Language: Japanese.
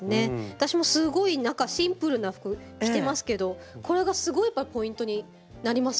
私もすごい中シンプルな服着てますけどこれがすごいポイントになりますもんね。